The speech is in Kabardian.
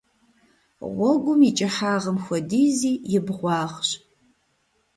Гъуэгум и кӀыхьагъым хуэдизи и бгъуагъщ.